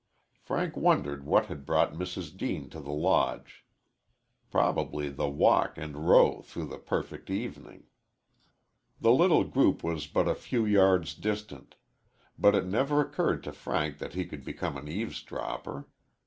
Frank wondered what had brought Mrs. Deane to the Lodge. Probably the walk and row through the perfect evening. The little group was but a few yards distant, but it never occurred to Frank that he could become an eavesdropper.